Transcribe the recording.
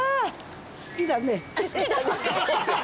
好きだね。